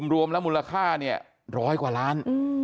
รวมแล้วมูลค่าเนี่ยร้อยกว่าล้าน